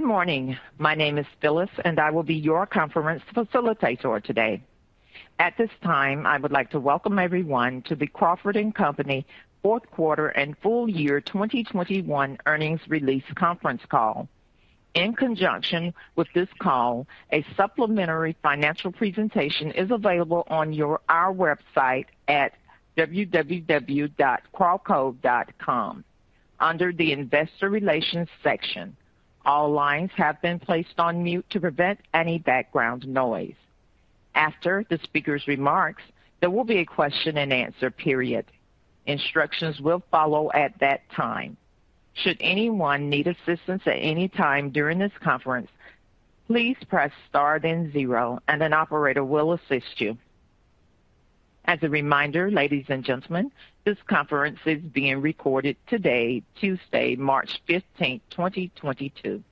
Good morning. My name is Phyllis, and I will be your conference facilitator today. At this time, I would like to welcome everyone to the Crawford & Company Fourth Quarter and Full Year 2021 Earnings Release Conference Call. In conjunction with this call, a supplementary financial presentation is available on our website at www.crawco.com under the investor relations section. All lines have been placed on mute to prevent any background noise. After the speaker's remarks, there will be a question-and-answer period. Instructions will follow at that time. Should anyone need assistance at any time during this conference, please press star then zero, and an operator will assist you. As a reminder, ladies and gentlemen, this conference is being recorded today, Tuesday, March 15, 2022.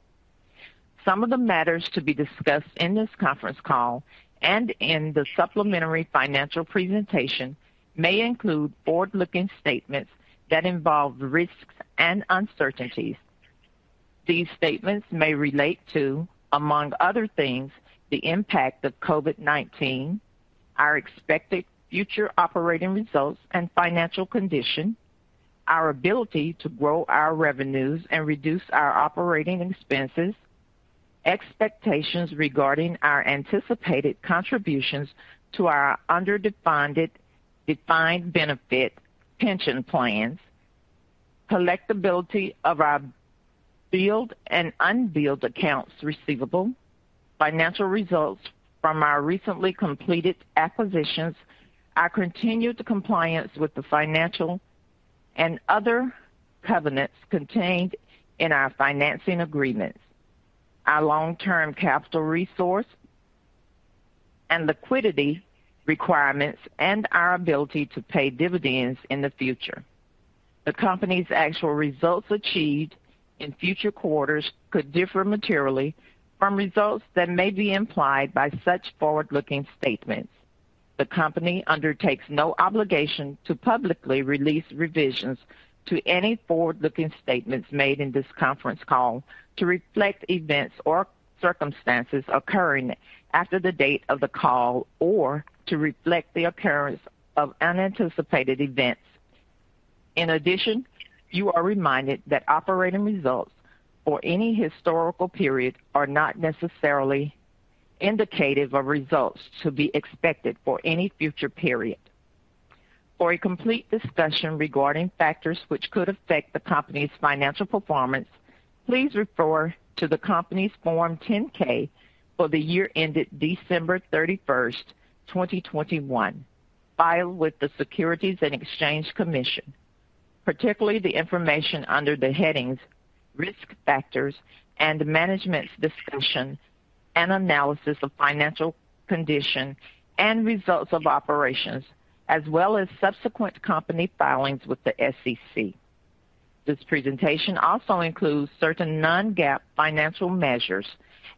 Some of the matters to be discussed in this conference call and in the supplementary financial presentation may include forward-looking statements that involve risks and uncertainties. These statements may relate to, among other things, the impact of COVID-19, our expected future operating results and financial condition, our ability to grow our revenues and reduce our operating expenses, expectations regarding our anticipated contributions to our underfunded defined benefit pension plans, collectibility of our billed and unbilled accounts receivable, financial results from our recently completed acquisitions, our continued compliance with the financial and other covenants contained in our financing agreements, our long-term capital resource and liquidity requirements, and our ability to pay dividends in the future. The company's actual results achieved in future quarters could differ materially from results that may be implied by such forward-looking statements. The company undertakes no obligation to publicly release revisions to any forward-looking statements made in this conference call to reflect events or circumstances occurring after the date of the call or to reflect the occurrence of unanticipated events. In addition, you are reminded that operating results for any historical period are not necessarily indicative of results to be expected for any future period. For a complete discussion regarding factors which could affect the company's financial performance, please refer to the company's Form 10-K for the year ended December 31, 2021, filed with the Securities and Exchange Commission, particularly the information under the headings Risk Factors and Management's Discussion and Analysis of Financial Condition and Results of Operations, as well as subsequent company filings with the SEC. This presentation also includes certain non-GAAP financial measures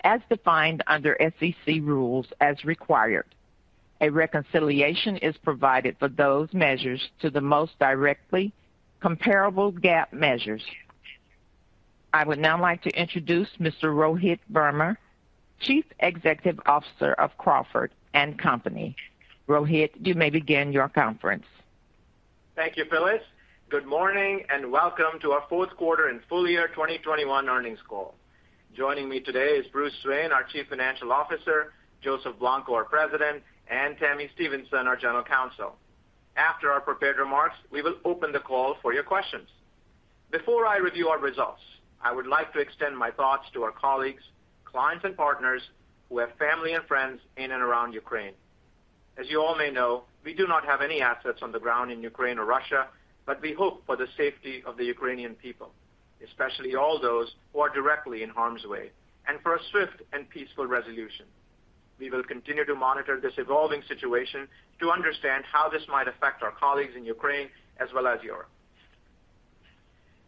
as defined under SEC rules as required. A reconciliation is provided for those measures to the most directly comparable GAAP measures. I would now like to introduce Mr. Rohit Verma, Chief Executive Officer of Crawford & Company. Rohit, you may begin your conference. Thank you, Phyllis. Good morning, and welcome to our Fourth Quarter and Full Year 2021 Earnings Call. Joining me today is Bruce Swain, our Chief Financial Officer, Joseph Blanco, our President, and Tami Stevenson, our General Counsel. After our prepared remarks, we will open the call for your questions. Before I review our results, I would like to extend my thoughts to our colleagues, clients and partners who have family and friends in and around Ukraine. As you all may know, we do not have any assets on the ground in Ukraine or Russia, but we hope for the safety of the Ukrainian people, especially all those who are directly in harm's way, and for a swift and peaceful resolution. We will continue to monitor this evolving situation to understand how this might affect our colleagues in Ukraine as well as Europe.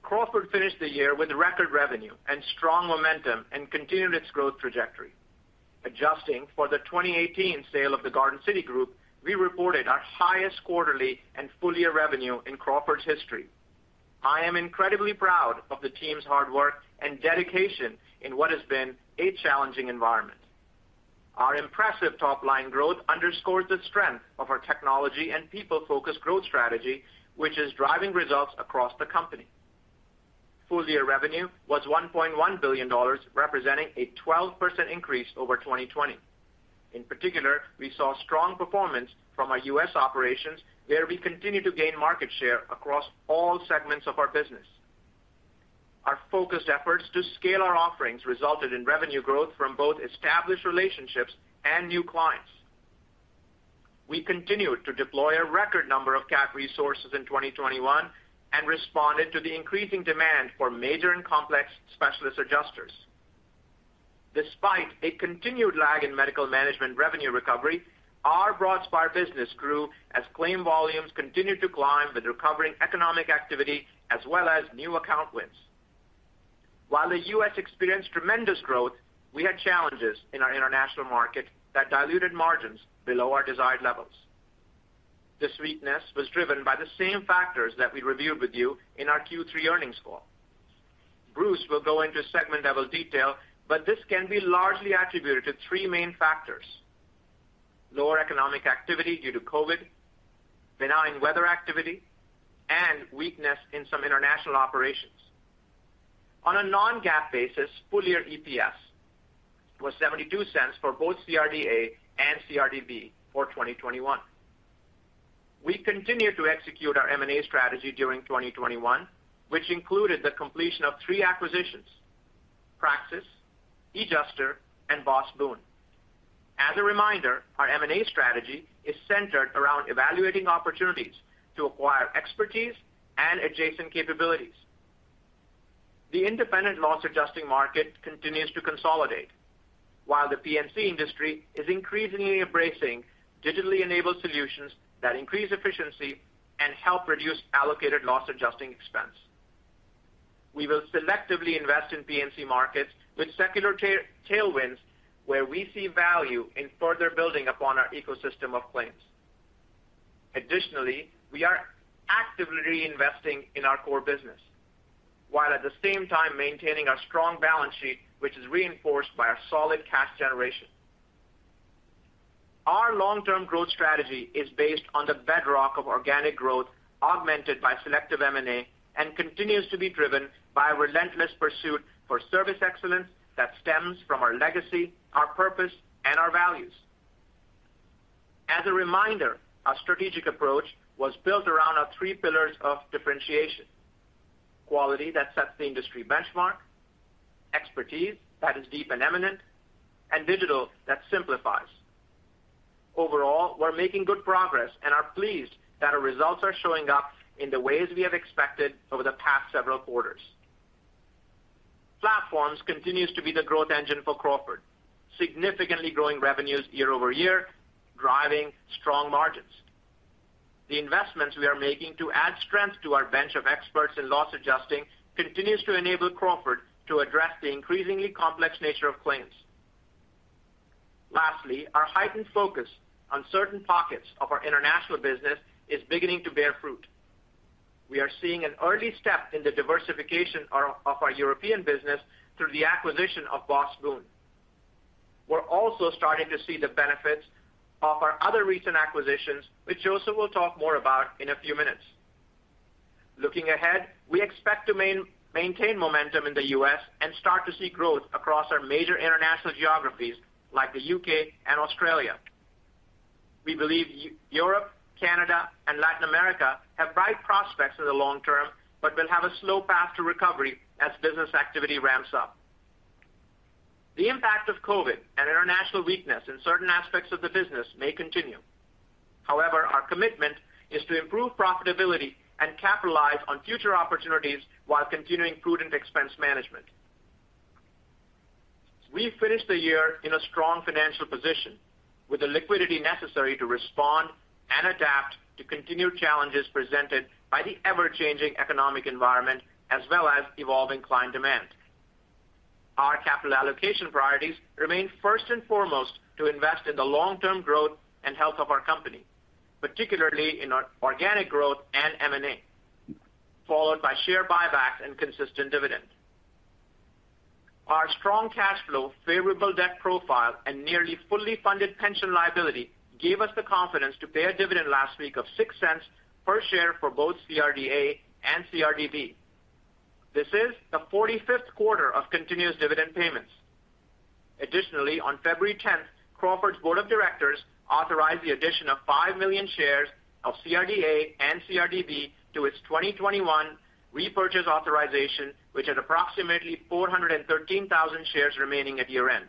Crawford finished the year with record revenue and strong momentum and continued its growth trajectory. Adjusting for the 2018 sale of the Garden City Group, we reported our highest quarterly and full year revenue in Crawford's history. I am incredibly proud of the team's hard work and dedication in what has been a challenging environment. Our impressive top-line growth underscores the strength of our technology and people-focused growth strategy, which is driving results across the company. Full year revenue was $1.1 billion, representing a 12% increase over 2020. In particular, we saw strong performance from our U.S. operations, where we continued to gain market share across all segments of our business. Our focused efforts to scale our offerings resulted in revenue growth from both established relationships and new clients. We continued to deploy a record number of CAT resources in 2021 and responded to the increasing demand for major and complex specialist adjusters. Despite a continued lag in medical management revenue recovery, our Broadspire business grew as claim volumes continued to climb with recovering economic activity as well as new account wins. While the U.S. experienced tremendous growth, we had challenges in our international market that diluted margins below our desired levels. This weakness was driven by the same factors that we reviewed with you in our Q3 earnings call. Bruce will go into segment-level detail, but this can be largely attributed to three main factors, lower economic activity due to COVID, benign weather activity, and weakness in some international operations. On a non-GAAP basis, full-year EPS was $0.72 for both CRDA and CRDB for 2021. We continued to execute our M&A strategy during 2021, which included the completion of three acquisitions, Praxis, edjuster, and BosBoon. As a reminder, our M&A strategy is centered around evaluating opportunities to acquire expertise and adjacent capabilities. The independent loss adjusting market continues to consolidate, while the P&C industry is increasingly embracing digitally enabled solutions that increase efficiency and help reduce allocated loss adjusting expense. We will selectively invest in P&C markets with secular tailwinds where we see value in further building upon our ecosystem of claims. Additionally, we are actively reinvesting in our core business, while at the same time maintaining our strong balance sheet, which is reinforced by our solid cash generation. Our long-term growth strategy is based on the bedrock of organic growth augmented by selective M&A, and continues to be driven by a relentless pursuit for service excellence that stems from our legacy, our purpose, and our values. As a reminder, our strategic approach was built around our three pillars of differentiation, quality that sets the industry benchmark, expertise that is deep and eminent, and digital that simplifies. Overall, we're making good progress and are pleased that our results are showing up in the ways we have expected over the past several quarters. Platforms continues to be the growth engine for Crawford, significantly growing revenues year-over-year, driving strong margins. The investments we are making to add strength to our bench of experts in loss adjusting continues to enable Crawford to address the increasingly complex nature of claims. Lastly, our heightened focus on certain pockets of our international business is beginning to bear fruit. We are seeing an early step in the diversification of our European business through the acquisition of BosBoon. We're also starting to see the benefits of our other recent acquisitions, which Joseph will talk more about in a few minutes. Looking ahead, we expect to maintain momentum in the U.S. and start to see growth across our major international geographies like the UK. and Australia. We believe Europe, Canada, and Latin America have bright prospects in the long term, but will have a slow path to recovery as business activity ramps up. The impact of COVID and international weakness in certain aspects of the business may continue. However, our commitment is to improve profitability and capitalize on future opportunities while continuing prudent expense management. We finished the year in a strong financial position with the liquidity necessary to respond and adapt to continued challenges presented by the ever-changing economic environment as well as evolving client demand. Our capital allocation priorities remain first and foremost to invest in the long-term growth and health of our company, particularly in our organic growth and M&A, followed by share buybacks and consistent dividends. Our strong cash flow, favorable debt profile, and nearly fully funded pension liability gave us the confidence to pay a dividend last week of $0.06 per share for both CRDA and CRDB. This is the 45th quarter of continuous dividend payments. Additionally, on February 10, Crawford's board of directors authorized the addition of 5 million shares of CRDA and CRDB to its 2021 repurchase authorization, which had approximately 413,000 shares remaining at year-end.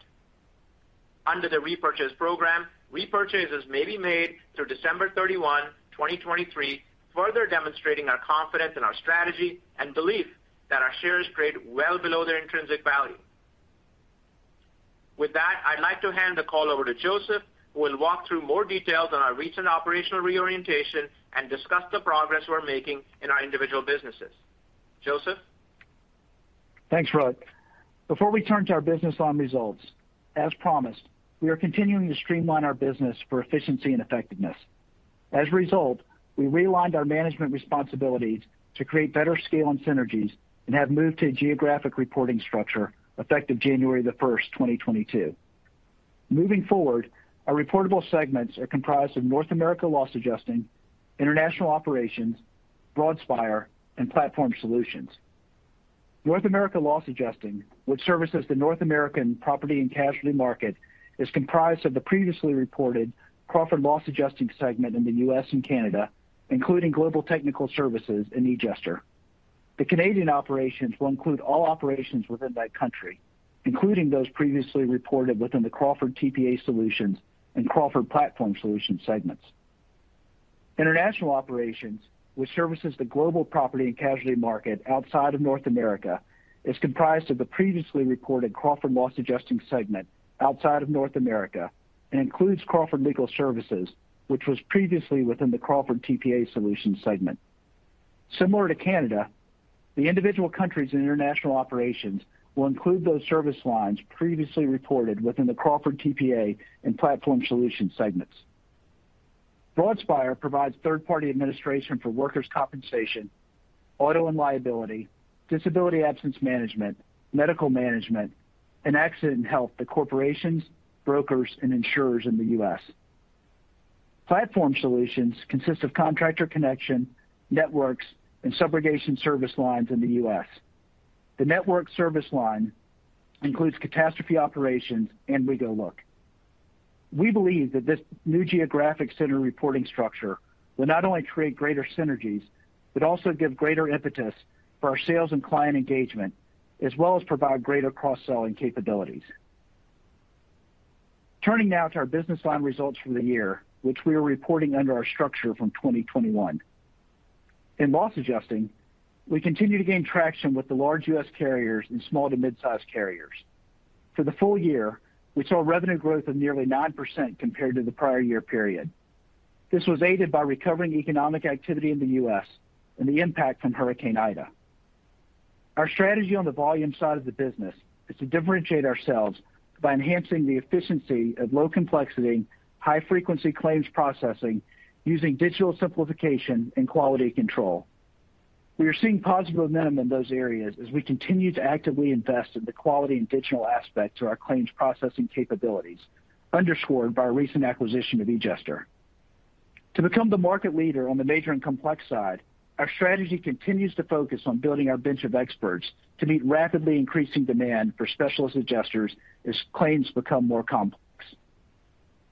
Under the repurchase program, repurchases may be made through December 31, 2023, further demonstrating our confidence in our strategy and belief that our shares trade well below their intrinsic value. With that, I'd like to hand the call over to Joseph, who will walk through more details on our recent operational reorientation and discuss the progress we're making in our individual businesses. Joseph? Thanks, Rohit. Before we turn to our business on results, as promised, we are continuing to streamline our business for efficiency and effectiveness. As a result, we realigned our management responsibilities to create better scale and synergies and have moved to a geographic reporting structure effective January 1, 2022. Moving forward, our reportable segments are comprised of North America Loss Adjusting, International Operations, Broadspire, and Platform Solutions. North America Loss Adjusting, which services the North American property and casualty market, is comprised of the previously reported Crawford Loss Adjusting segment in the U.S. and Canada, including Global Technical Services and edjuster. The Canadian operations will include all operations within that country, including those previously reported within the Crawford TPA Solutions and Crawford Platform Solutions segments. International Operations, which services the global property and casualty market outside of North America, is comprised of the previously reported Crawford Loss Adjusting segment outside of North America and includes Crawford Legal Services, which was previously within the Crawford TPA Solutions segment. Similar to Canada, the individual countries in International Operations will include those service lines previously reported within the Crawford TPA and Platform Solutions segments. Broadspire provides third-party administration for workers' compensation, auto and liability, disability absence management, medical management, and accident and health to corporations, brokers, and insurers in the U.S. Platform Solutions consists of Contractor Connection, networks, and subrogation service lines in the U.S. The network service line includes catastrophe operations and WeGoLook. We believe that this new geographic center reporting structure will not only create greater synergies, but also give greater impetus for our sales and client engagement, as well as provide greater cross-selling capabilities. Turning now to our business line results for the year, which we are reporting under our structure from 2021. In Loss Adjusting, we continue to gain traction with the large U.S. carriers and small to mid-size carriers. For the full year, we saw revenue growth of nearly 9% compared to the prior year period. This was aided by recovering economic activity in the U.S. and the impact from Hurricane Ida. Our strategy on the volume side of the business is to differentiate ourselves by enhancing the efficiency of low complexity, high-frequency claims processing using digital simplification and quality control. We are seeing positive momentum in those areas as we continue to actively invest in the quality and digital aspect to our claims processing capabilities, underscored by our recent acquisition of edjuster. To become the market leader on the major and complex side, our strategy continues to focus on building our bench of experts to meet rapidly increasing demand for specialist adjusters as claims become more complex.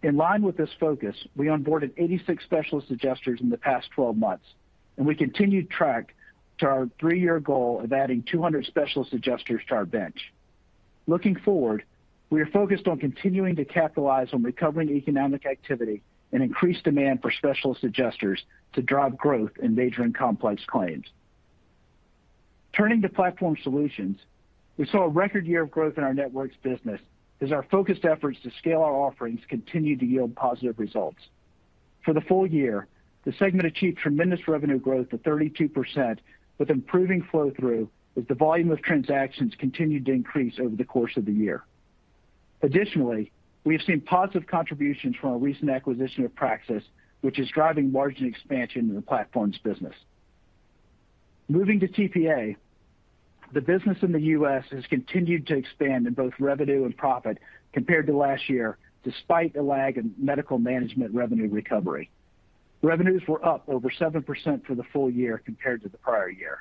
In line with this focus, we onboarded 86 specialist adjusters in the past 12 months, and we continue on track to our three-year goal of adding 200 specialist adjusters to our bench. Looking forward, we are focused on continuing to capitalize on recovering economic activity and increased demand for specialist adjusters to drive growth in major and complex claims. Turning to Platform Solutions, we saw a record year of growth in our networks business as our focused efforts to scale our offerings continued to yield positive results. For the full year, the segment achieved tremendous revenue growth of 32% with improving flow-through as the volume of transactions continued to increase over the course of the year. Additionally, we have seen positive contributions from our recent acquisition of Praxis, which is driving margin expansion in the platforms business. Moving to TPA, the business in the U.S. has continued to expand in both revenue and profit compared to last year, despite a lag in medical management revenue recovery. Revenues were up over 7% for the full year compared to the prior year.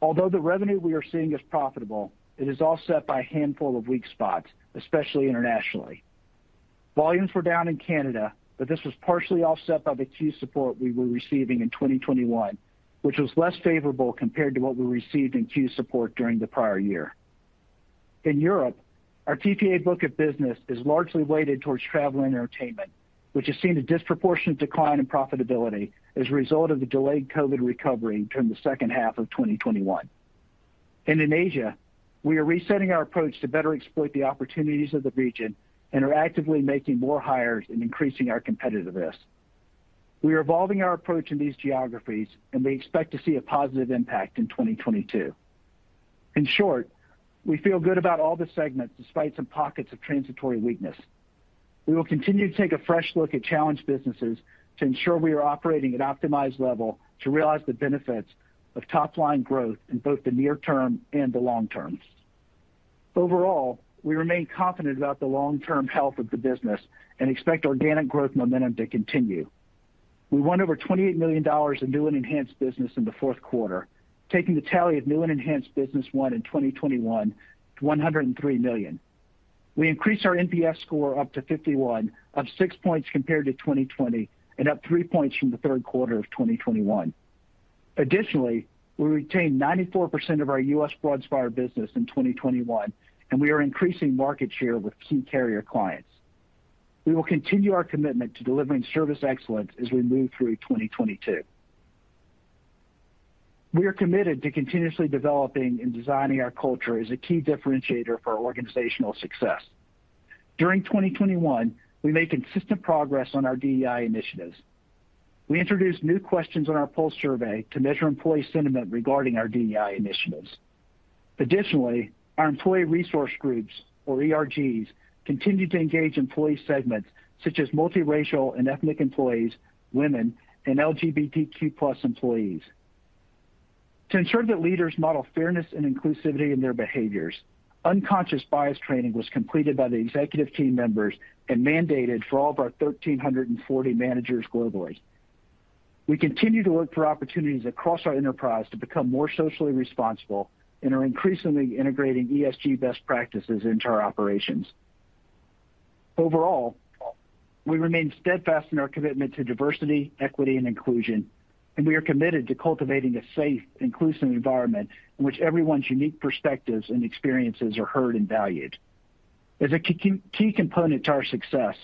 Although the revenue we are seeing is profitable, it is offset by a handful of weak spots, especially internationally. Volumes were down in Canada, but this was partially offset by the CEWS support we were receiving in 2021, which was less favorable compared to what we received in CEWS support during the prior year. In Europe, our TPA book of business is largely weighted towards travel and entertainment, which has seen a disproportionate decline in profitability as a result of the delayed COVID recovery during the second half of 2021. In Asia, we are resetting our approach to better exploit the opportunities of the region and are actively making more hires and increasing our competitiveness. We are evolving our approach in these geographies, and we expect to see a positive impact in 2022. In short, we feel good about all the segments despite some pockets of transitory weakness. We will continue to take a fresh look at challenged businesses to ensure we are operating at optimized level to realize the benefits of top-line growth in both the near term and the long term. Overall, we remain confident about the long-term health of the business and expect organic growth momentum to continue. We won over $28 million in new and enhanced business in the fourth quarter, taking the tally of new and enhanced business won in 2021 to $103 million. We increased our NPS score up to 51, up six points compared to 2020, and up three points from the third quarter of 2021. Additionally, we retained 94% of our U.S. Broadspire business in 2021, and we are increasing market share with key carrier clients. We will continue our commitment to delivering service excellence as we move through 2022. We are committed to continuously developing and designing our culture as a key differentiator for organizational success. During 2021, we made consistent progress on our DEI initiatives. We introduced new questions on our pulse survey to measure employee sentiment regarding our DEI initiatives. Additionally, our employee resource groups, or ERGs, continued to engage employee segments such as multiracial and ethnic employees, women, and LGBTQ+ employees. To ensure that leaders model fairness and inclusivity in their behaviors, unconscious bias training was completed by the executive team members and mandated for all of our 1,340 managers globally. We continue to look for opportunities across our enterprise to become more socially responsible and are increasingly integrating ESG best practices into our operations. Overall, we remain steadfast in our commitment to diversity, equity, and inclusion, and we are committed to cultivating a safe, inclusive environment in which everyone's unique perspectives and experiences are heard and valued. As a key component to our success,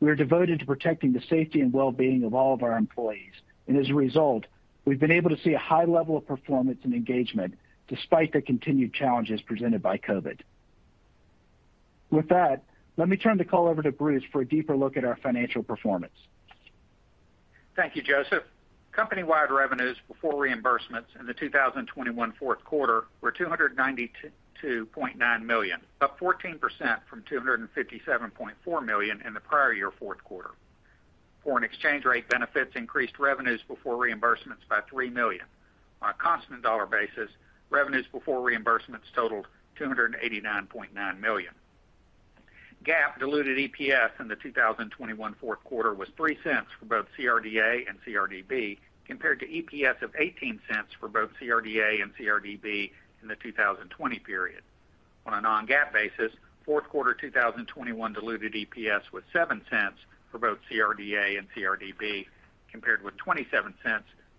we are devoted to protecting the safety and well-being of all of our employees, and as a result, we've been able to see a high level of performance and engagement despite the continued challenges presented by COVID. With that, let me turn the call over to Bruce for a deeper look at our financial performance. Thank you, Joseph. Company-wide revenues before reimbursements in the 2021 fourth quarter were $292.9 million, up 14% from $257.4 million in the prior year fourth quarter. Foreign exchange rate benefits increased revenues before reimbursements by $3 million. On a constant dollar basis, revenues before reimbursements totaled $289.9 million. GAAP diluted EPS in the 2021 fourth quarter was $0.03 for both CRDA and CRDB, compared to EPS of $0.18 for both CRDA and CRDB in the 2020 period. On a non-GAAP basis, fourth quarter 2021 diluted EPS was $0.07 for both CRDA and CRDB, compared with $0.27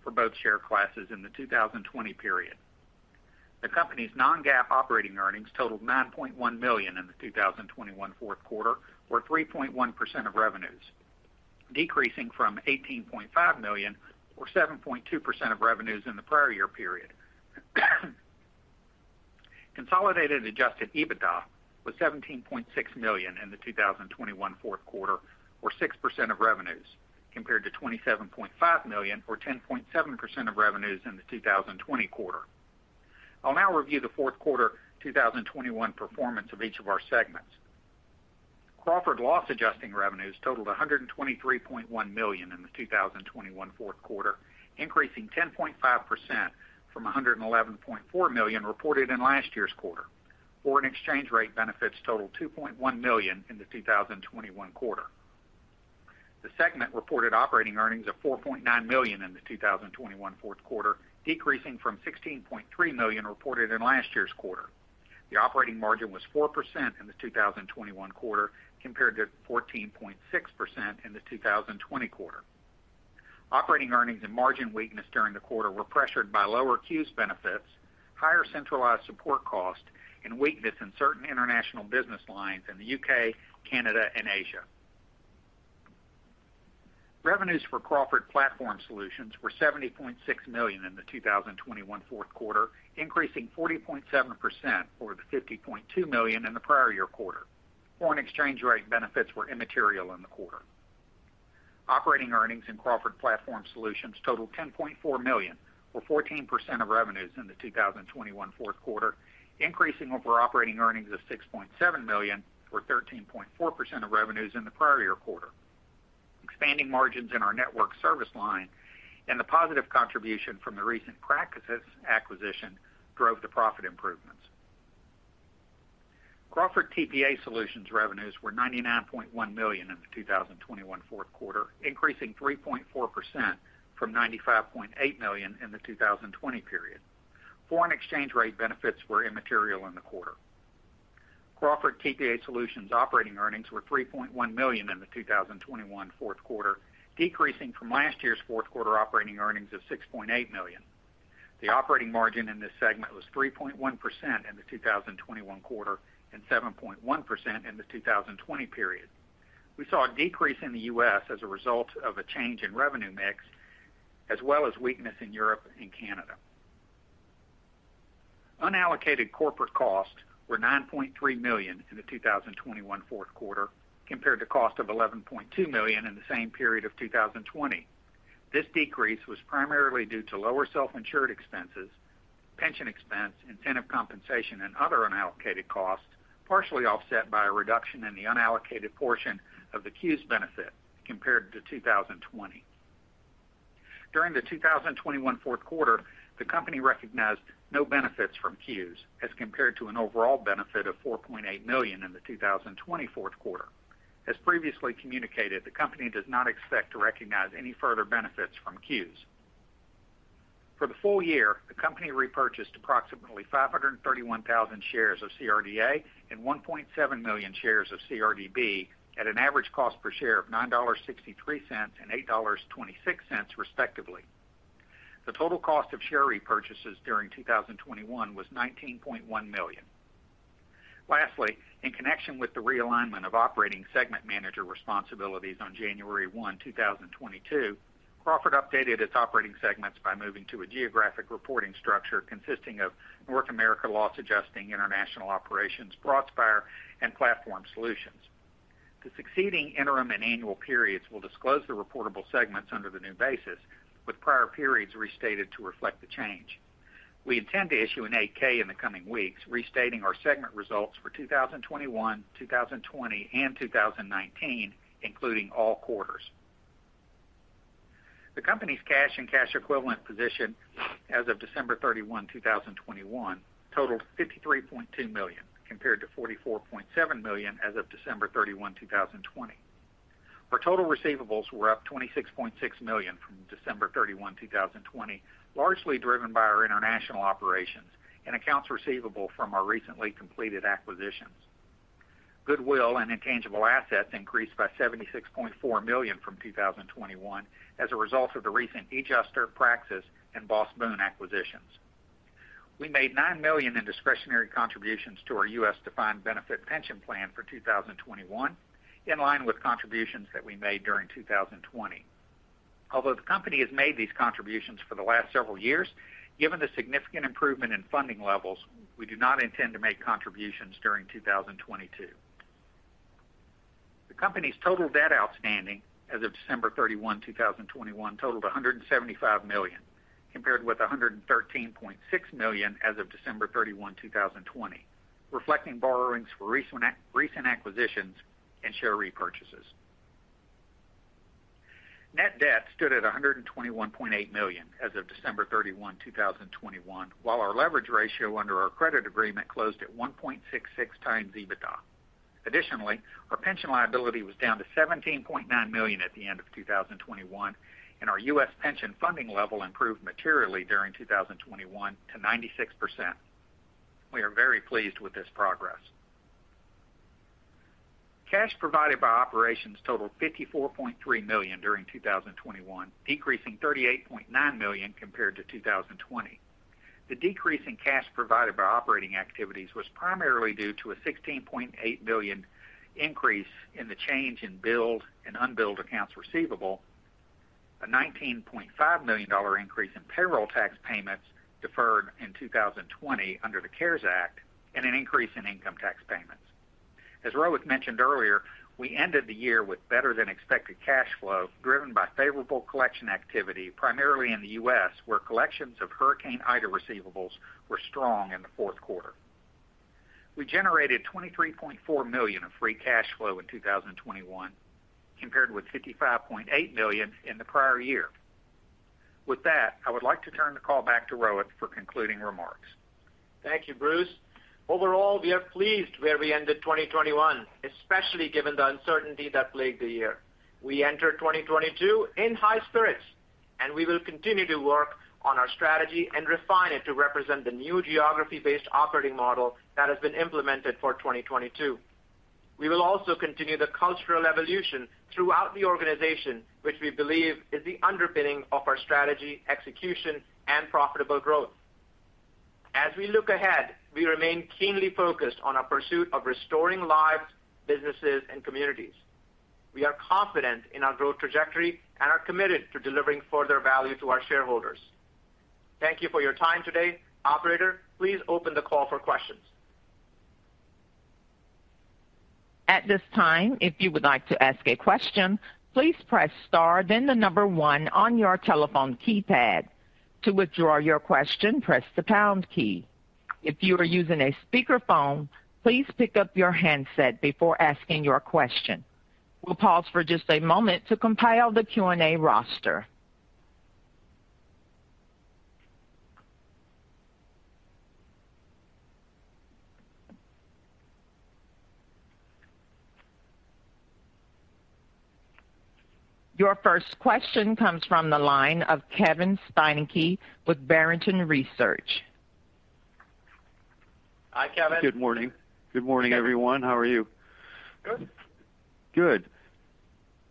for both share classes in the 2020 period. The company's non-GAAP operating earnings totaled $9.1 million in the 2021 fourth quarter, or 3.1% of revenues, decreasing from $18.5 million or 7.2% of revenues in the prior year period. Consolidated adjusted EBITDA was $17.6 million in the 2021 fourth quarter, or 6% of revenues, compared to $27.5 million or 10.7% of revenues in the 2020 quarter. I'll now review the fourth quarter 2021 performance of each of our segments. Crawford Loss Adjusting revenues totaled $123.1 million in the 2021 fourth quarter, increasing 10.5% from $111.4 million reported in last year's quarter. Foreign exchange rate benefits totaled $2.1 million in the 2021 quarter. The segment reported operating earnings of $4.9 million in the 2021 fourth quarter, decreasing from $16.3 million reported in last year's quarter. The operating margin was 4% in the 2021 quarter, compared to 14.6% in the 2020 quarter. Operating earnings and margin weakness during the quarter were pressured by lower CEWS benefits, higher centralized support cost, and weakness in certain international business lines in the UK., Canada, and Asia. Revenues for Crawford Platform Solutions were $70.6 million in the 2021 fourth quarter, increasing 40.7% over the $50.2 million in the prior-year quarter. Foreign exchange rate benefits were immaterial in the quarter. Operating earnings in Crawford Platform Solutions totaled $10.4 million or 14% of revenues in the 2021 fourth quarter, increasing over operating earnings of $6.7 million or 13.4% of revenues in the prior year quarter. Expanding margins in our network service line and the positive contribution from the recent Praxis acquisition drove the profit improvements. Crawford TPA Solutions revenues were $99.1 million in the 2021 fourth quarter, increasing 3.4% from $95.8 million in the 2020 period. Foreign exchange rate benefits were immaterial in the quarter. Crawford TPA Solutions operating earnings were $3.1 million in the 2021 fourth quarter, decreasing from last year's fourth quarter operating earnings of $6.8 million. The operating margin in this segment was 3.1% in the 2021 quarter and 7.1% in the 2020 period. We saw a decrease in the U.S. as a result of a change in revenue mix, as well as weakness in Europe and Canada. Unallocated corporate costs were $9.3 million in the 2021 fourth quarter, compared to cost of $11.2 million in the same period of 2020. This decrease was primarily due to lower self-insured expenses, pension expense, incentive compensation, and other unallocated costs, partially offset by a reduction in the unallocated portion of the CEWS benefit compared to 2020. During the 2021 fourth quarter, the company recognized no benefits from CEWS as compared to an overall benefit of $4.8 million in the 2020 fourth quarter. As previously communicated, the company does not expect to recognize any further benefits from CEWS. For the full year, the company repurchased approximately 531,000 shares of CRDA and 1.7 million shares of CRDB at an average cost per share of $9.63 and $8.26, respectively. The total cost of share repurchases during 2021 was $19.1 million. Lastly, in connection with the realignment of operating segment manager responsibilities on January 1, 2022, Crawford updated its operating segments by moving to a geographic reporting structure consisting of North America Loss Adjusting, International Operations, Broadspire, and Platform Solutions. The succeeding interim and annual periods will disclose the reportable segments under the new basis, with prior periods restated to reflect the change. We intend to issue an 8-K in the coming weeks, restating our segment results for 2021, 2020, and 2019, including all quarters. The company's cash and cash equivalent position as of December 31, 2021 totaled $53.2 million, compared to $44.7 million as of December 31, 2020. Our total receivables were up $26.6 million from December 31, 2020, largely driven by our International Operations and accounts receivable from our recently completed acquisitions. Goodwill and intangible assets increased by $76.4 million from 2020 as a result of the recent edjuster, Praxis, and BosBoon acquisitions. We made $9 million in discretionary contributions to our U.S. defined benefit pension plan for 2021, in line with contributions that we made during 2020. Although the company has made these contributions for the last several years, given the significant improvement in funding levels, we do not intend to make contributions during 2022. The company's total debt outstanding as of December 31, 2021 totaled $175 million, compared with $113.6 million as of December 31, 2020, reflecting borrowings for recent acquisitions and share repurchases. Net debt stood at $121.8 million as of December 31, 2021, while our leverage ratio under our credit agreement closed at 1.66x EBITDA. Additionally, our pension liability was down to $17.9 million at the end of 2021, and our U.S. pension funding level improved materially during 2021 to 96%. We are very pleased with this progress. Cash provided by operations totaled $54.3 million during 2021, decreasing $38.9 million compared to 2020. The decrease in cash provided by operating activities was primarily due to a $16.8 million increase in the change in billed and unbilled accounts receivable, a $19.5 million increase in payroll tax payments deferred in 2020 under the CARES Act, and an increase in income tax payments. As Rohit mentioned earlier, we ended the year with better-than-expected cash flow driven by favorable collection activity, primarily in the U.S., where collections of Hurricane Ida receivables were strong in the fourth quarter. We generated $23.4 million of free cash flow in 2021, compared with $55.8 million in the prior year. With that, I would like to turn the call back to Rohit for concluding remarks. Thank you, Bruce. Overall, we are pleased where we ended 2021, especially given the uncertainty that plagued the year. We enter 2022 in high spirits, and we will continue to work on our strategy and refine it to represent the new geography-based operating model that has been implemented for 2022. We will also continue the cultural evolution throughout the organization, which we believe is the underpinning of our strategy, execution, and profitable growth. As we look ahead, we remain keenly focused on our pursuit of restoring lives, businesses, and communities. We are confident in our growth trajectory and are committed to delivering further value to our shareholders. Thank you for your time today. Operator, please open the call for questions. At this time, if you would like to ask a question, please press star, then 1 on your telephone keypad. To withdraw your question, press the pound key. If you are using a speakerphone, please pick up your handset before asking your question. We'll pause for just a moment to compile the Q&A roster. Your first question comes from the line of Kevin Steinke with Barrington Research. Hi, Kevin. Good morning. Good morning, everyone. How are you? Good. Good.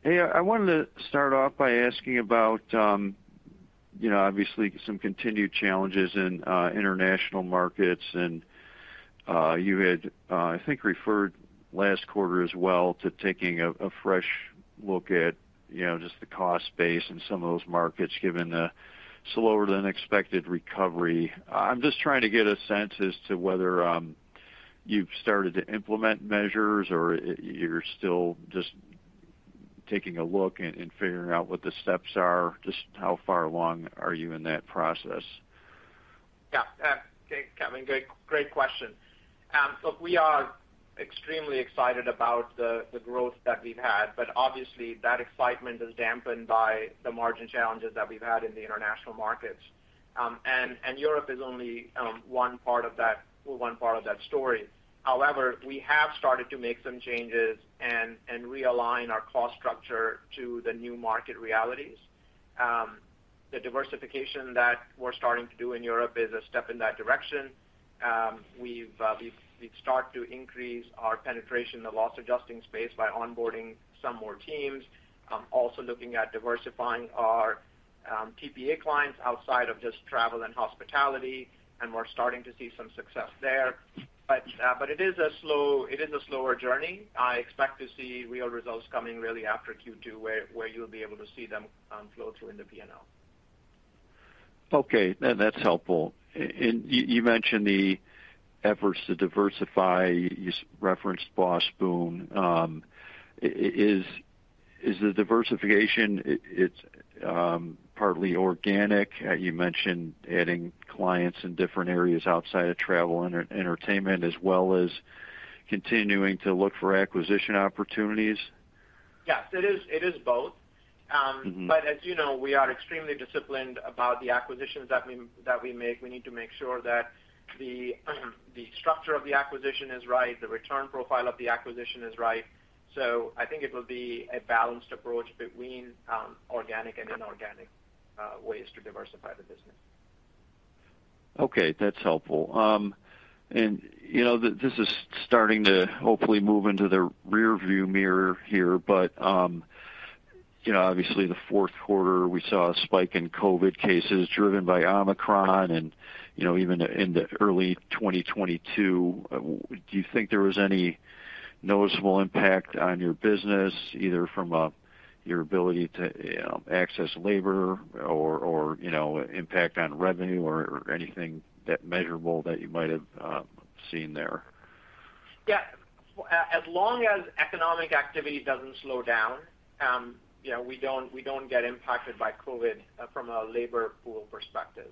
Hey, I wanted to start off by asking about, you know, obviously some continued challenges in, international markets. You had, I think, referred last quarter as well to taking a fresh look at, you know, just the cost base in some of those markets, given the slower-than-expected recovery. I'm just trying to get a sense as to whether, you've started to implement measures or you're still just taking a look and figuring out what the steps are. Just how far along are you in that process? Yeah, Kevin, great question. Look, we are extremely excited about the growth that we've had, but obviously that excitement is dampened by the margin challenges that we've had in the international markets. Europe is only one part of that story. However, we have started to make some changes and realign our cost structure to the new market realities. The diversification that we're starting to do in Europe is a step in that direction. We've started to increase our penetration in the loss adjusting space by onboarding some more teams. Also looking at diversifying our TPA clients outside of just travel and hospitality, and we're starting to see some success there. But it is a slower journey. I expect to see real results coming really after Q2, where you'll be able to see them flow through in the P&L. Okay. That's helpful. You mentioned the efforts to diversify. You referenced BosBoon. Is the diversification partly organic? You mentioned adding clients in different areas outside of travel and entertainment, as well as continuing to look for acquisition opportunities. Yes, it is both. Mm-hmm. As you know, we are extremely disciplined about the acquisitions that we make. We need to make sure that the structure of the acquisition is right, the return profile of the acquisition is right. I think it will be a balanced approach between organic and inorganic ways to diversify the business. Okay, that's helpful. You know, this is starting to hopefully move into the rearview mirror here, but you know, obviously the fourth quarter we saw a spike in COVID-19 cases driven by Omicron and, you know, even into early 2022. Do you think there was any noticeable impact on your business, either from your ability to access labor or, you know, impact on revenue or anything that measurable that you might have seen there? Yeah. As long as economic activity doesn't slow down, you know, we don't get impacted by COVID from a labor pool perspective.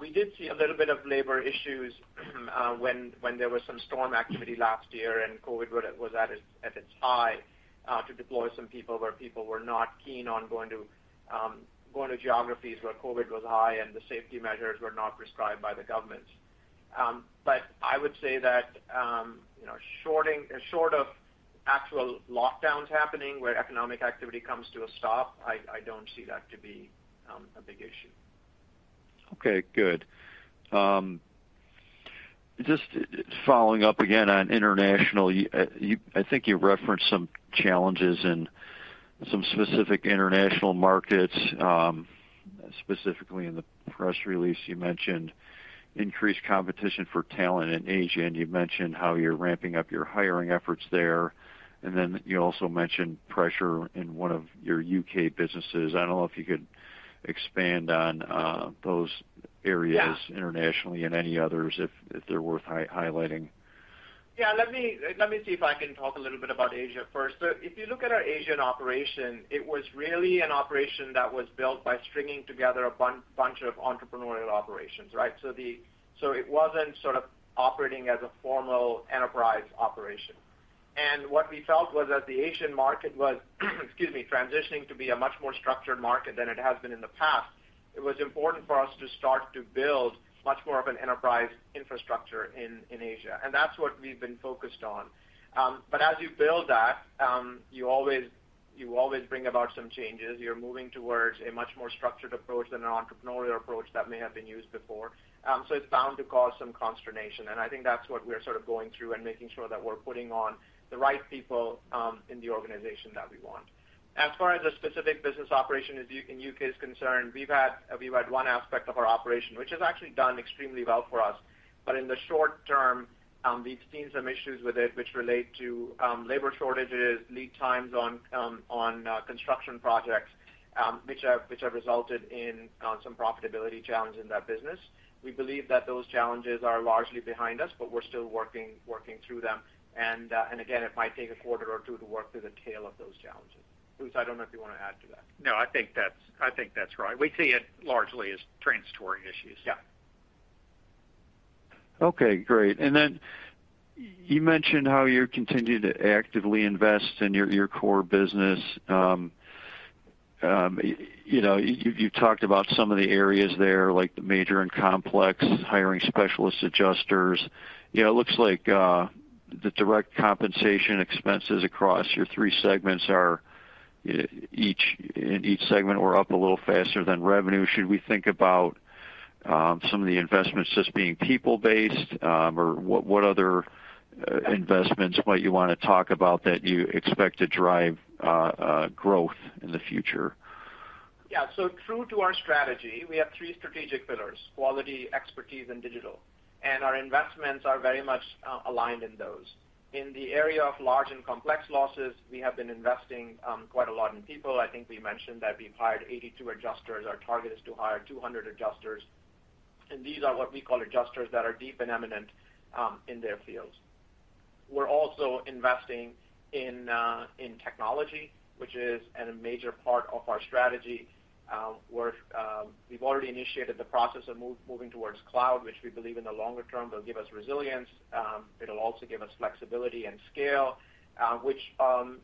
We did see a little bit of labor issues when there was some storm activity last year and COVID was at its high to deploy some people where people were not keen on going to geographies where COVID was high and the safety measures were not prescribed by the governments. I would say that short of actual lockdowns happening where economic activity comes to a stop, I don't see that to be a big issue. Okay, good. Just following up again on international, I think you referenced some challenges in some specific international markets, specifically in the press release you mentioned increased competition for talent in Asia, and you mentioned how you're ramping up your hiring efforts there. You also mentioned pressure in one of your UK. businesses. I don't know if you could expand on those areas? Yeah Internationally and any others if they're worth highlighting. Yeah, let me see if I can talk a little bit about Asia first. If you look at our Asian operation, it was really an operation that was built by stringing together a bunch of entrepreneurial operations, right? It wasn't sort of operating as a formal enterprise operation. What we felt was that the Asian market was, excuse me, transitioning to be a much more structured market than it has been in the past. It was important for us to start to build much more of an enterprise infrastructure in Asia. That's what we've been focused on. But as you build that, you always bring about some changes. You're moving towards a much more structured approach than an entrepreneurial approach that may have been used before. It's bound to cause some consternation. I think that's what we're sort of going through and making sure that we're putting on the right people in the organization that we want. As far as the specific business operation in UK. is concerned, we've had one aspect of our operation, which has actually done extremely well for us. In the short term, we've seen some issues with it which relate to labor shortages, lead times on construction projects, which have resulted in some profitability challenges in that business. We believe that those challenges are largely behind us, but we're still working through them. Again, it might take a quarter or two to work through the tail of those challenges. Bruce, I don't know if you wanna add to that. No, I think that's right. We see it largely as transitory issues. Yeah. Okay, great. You mentioned how you're continuing to actively invest in your core business. You know, you talked about some of the areas there, like the major and complex hiring specialist adjusters. You know, it looks like the direct compensation expenses across your three segments in each segment were up a little faster than revenue. Should we think about some of the investments just being people-based? What other investments might you wanna talk about that you expect to drive growth in the future? True to our strategy, we have three strategic pillars, quality, expertise, and digital. Our investments are very much aligned in those. In the area of large and complex losses, we have been investing quite a lot in people. I think we mentioned that we've hired 82 adjusters. Our target is to hire 200 adjusters. These are what we call adjusters that are deep and eminent in their fields. We're also investing in technology, which is a major part of our strategy, where we've already initiated the process of moving towards cloud, which we believe in the longer term will give us resilience. It'll also give us flexibility and scale, which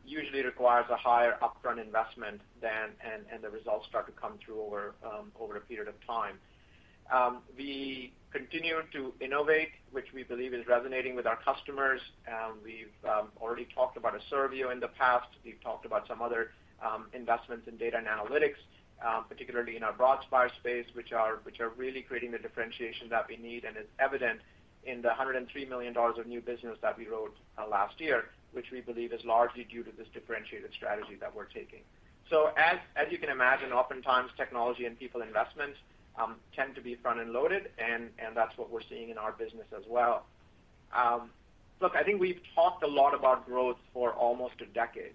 usually requires a higher upfront investment than and the results start to come through over a period of time. We continue to innovate, which we believe is resonating with our customers. We've already talked about Asservio in the past. We've talked about some other investments in data and analytics, particularly in our Broadspire space, which are really creating the differentiation that we need and is evident in the $103 million of new business that we wrote last year, which we believe is largely due to this differentiated strategy that we're taking. So as you can imagine, oftentimes technology and people investments tend to be front-loaded, and that's what we're seeing in our business as well. Look, I think we've talked a lot about growth for almost a decade.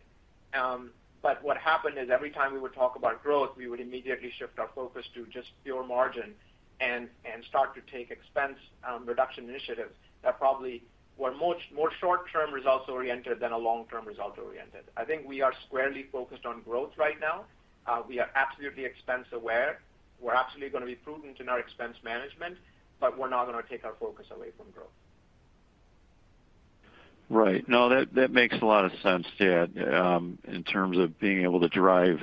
What happened is every time we would talk about growth, we would immediately shift our focus to just pure margin and start to take expense reduction initiatives that probably were more short-term results-oriented than a long-term result-oriented. I think we are squarely focused on growth right now. We are absolutely expense aware. We're absolutely gonna be prudent in our expense management, but we're not gonna take our focus away from growth. Right. No, that makes a lot of sense, Ted, in terms of being able to drive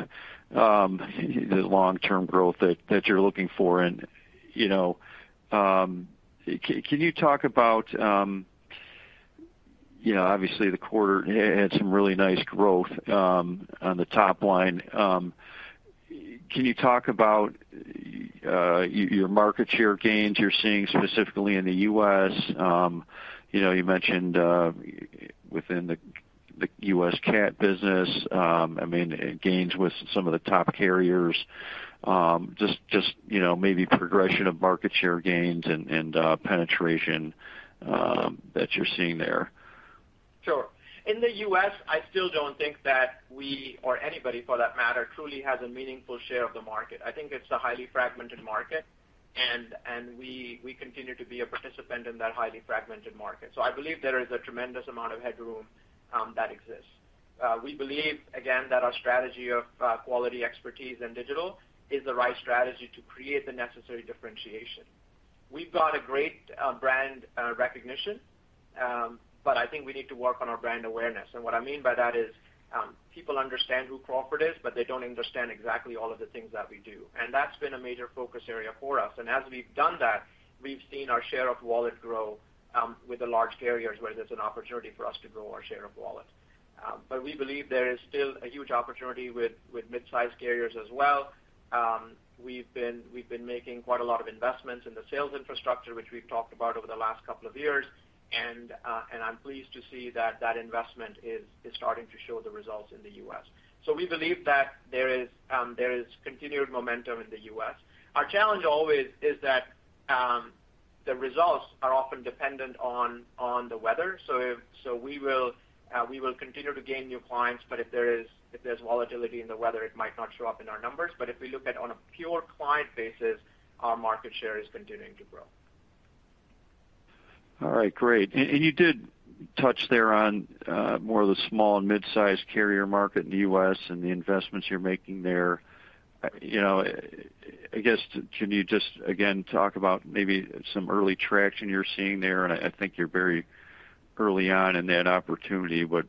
the long-term growth that you're looking for. You know, can you talk about you know, obviously the quarter had some really nice growth on the top line. Can you talk about your market share gains you're seeing specifically in the U.S.? You know, you mentioned within the U.S. cat business I mean, gains with some of the top carriers. Just you know, maybe progression of market share gains and penetration that you're seeing there. Sure. In the U.S., I still don't think that we or anybody for that matter, truly has a meaningful share of the market. I think it's a highly fragmented market, and we continue to be a participant in that highly fragmented market. I believe there is a tremendous amount of headroom that exists. We believe again, that our strategy of quality, expertise and digital is the right strategy to create the necessary differentiation. We've got a great brand recognition, but I think we need to work on our brand awareness. What I mean by that is, people understand who Crawford is, but they don't understand exactly all of the things that we do. That's been a major focus area for us. As we've done that, we've seen our share of wallet grow with the large carriers where there's an opportunity for us to grow our share of wallet. We believe there is still a huge opportunity with mid-sized carriers as well. We've been making quite a lot of investments in the sales infrastructure, which we've talked about over the last couple of years. I'm pleased to see that investment is starting to show the results in the U.S. We believe that there is continued momentum in the U.S. Our challenge always is that the results are often dependent on the weather. We will continue to gain new clients, but if there's volatility in the weather, it might not show up in our numbers. If we look at it on a pure client basis, our market share is continuing to grow. All right, great. And you did touch there on more of the small and mid-size carrier market in the U.S. and the investments you're making there. You know, I guess can you just again talk about maybe some early traction you're seeing there? I think you're very early on in that opportunity, but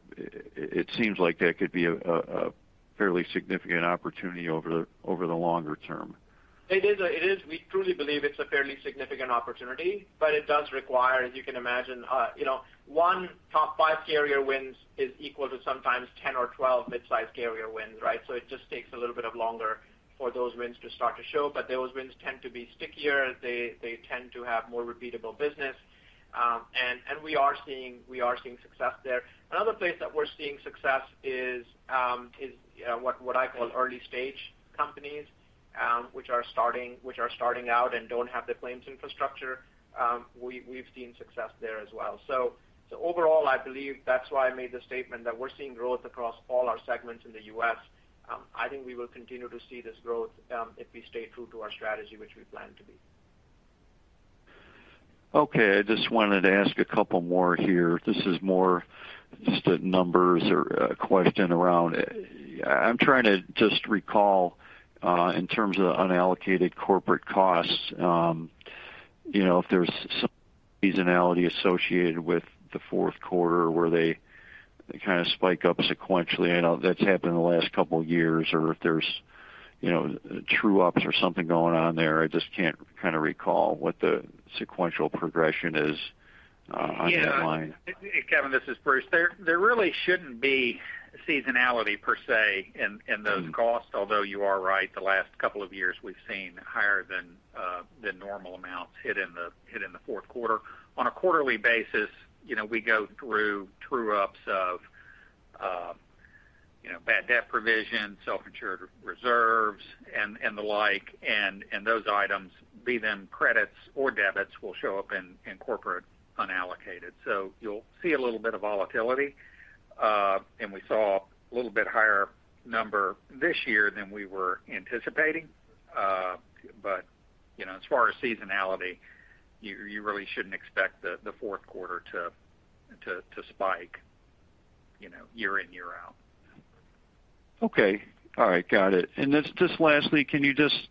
it seems like that could be a fairly significant opportunity over the longer term. It is. We truly believe it's a fairly significant opportunity, but it does require, as you can imagine, you know, one top five carrier wins is equal to sometimes 10 or 12 mid-size carrier wins, right? It just takes a little bit longer for those wins to start to show. Those wins tend to be stickier. They tend to have more repeatable business. We are seeing success there. Another place that we're seeing success is what I call early stage companies, which are starting out and don't have the claims infrastructure. We've seen success there as well. Overall, I believe that's why I made the statement that we're seeing growth across all our segments in the U.S. I think we will continue to see this growth, if we stay true to our strategy, which we plan to be. Okay. I just wanted to ask a couple more here. This is more just a numbers or a question around. I'm trying to just recall, in terms of unallocated corporate costs, you know, if there's some seasonality associated with the fourth quarter where they kind of spike up sequentially. I know that's happened in the last couple of years. Or if there's, you know, true ups or something going on there. I just can't kind of recall what the sequential progression is, on that line. Yeah. Kevin, this is Bruce. There really shouldn't be seasonality per se in those costs. Although you are right, the last couple of years we've seen higher than normal amounts hit in the fourth quarter. On a quarterly basis, you know, we go through true ups of bad debt provision, self-insured reserves and the like, and those items be they credits or debits, will show up in corporate unallocated. So you'll see a little bit of volatility. And we saw a little bit higher number this year than we were anticipating. But you know, as far as seasonality, you really shouldn't expect the fourth quarter to spike, you know, year in, year out. Okay. All right. Got it. Just lastly, can you just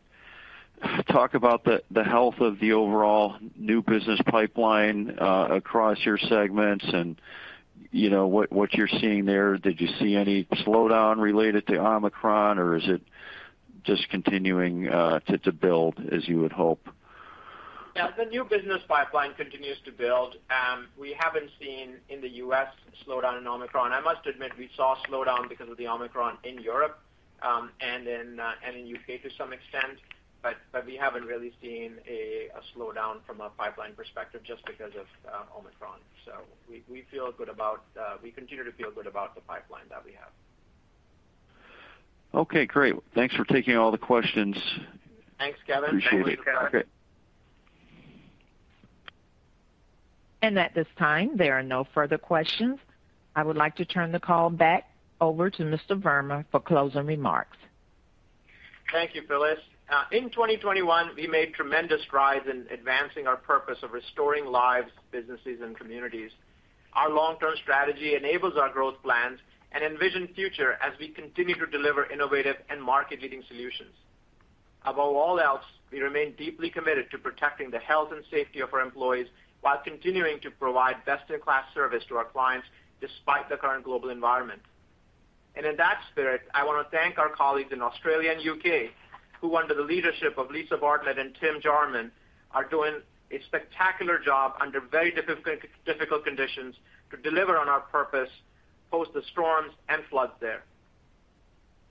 talk about the health of the overall new business pipeline across your segments and, you know, what you're seeing there? Did you see any slowdown related to Omicron, or is it just continuing to build as you would hope? Yeah. The new business pipeline continues to build. We haven't seen a slowdown in the U.S. from Omicron. I must admit, we saw a slowdown because of Omicron in Europe, and in the UK. to some extent. We haven't really seen a slowdown from a pipeline perspective just because of Omicron. We feel good about it. We continue to feel good about the pipeline that we have. Okay, great. Thanks for taking all the questions. Thanks, Kevin. Thank you, Kevin. Appreciate it. Okay. At this time, there are no further questions. I would like to turn the call back over to Mr. Verma for closing remarks. Thank you, Phyllis. In 2021, we made tremendous strides in advancing our purpose of restoring lives, businesses and communities. Our long-term strategy enables our growth plans and envision future as we continue to deliver innovative and market-leading solutions. Above all else, we remain deeply committed to protecting the health and safety of our employees while continuing to provide best-in-class service to our clients despite the current global environment. In that spirit, I want to thank our colleagues in Australia and UK., who, under the leadership of Lisa Bartlett and Tim Jarman, are doing a spectacular job under very difficult conditions to deliver on our purpose post the storms and floods there.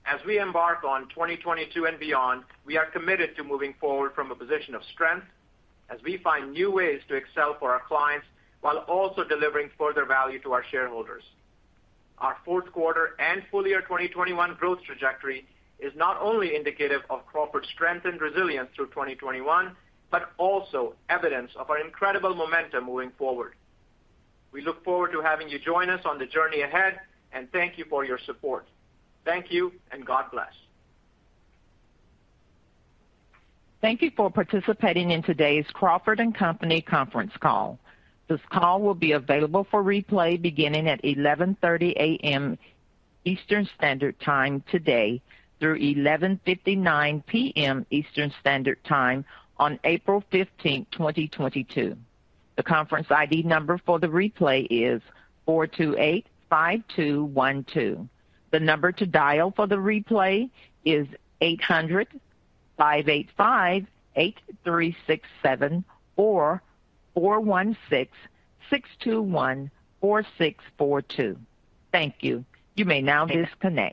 As we embark on 2022 and beyond, we are committed to moving forward from a position of strength as we find new ways to excel for our clients while also delivering further value to our shareholders. Our fourth quarter and full year 2021 growth trajectory is not only indicative of Crawford's strength and resilience through 2021, but also evidence of our incredible momentum moving forward. We look forward to having you join us on the journey ahead, and thank you for your support. Thank you, and God bless. Thank you for participating in today's Crawford & Company conference call. This call will be available for replay beginning at 11:30 AM. Eastern Standard Time today through 11:59 PM. Eastern Standard Time on April 15, 2022. The conference ID number for the replay is 4285212. The number to dial for the replay is 800-585-8367 or 416-621-4642. Thank you. You may now disconnect.